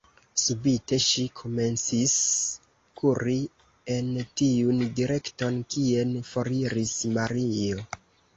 Subite ŝi komencis kuri en tiun direkton, kien foriris Mario.